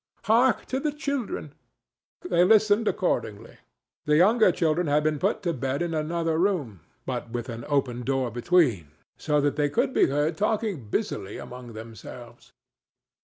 Hark to the children!" They listened accordingly. The younger children had been put to bed in another room, but with an open door between; so that they could be heard talking busily among themselves.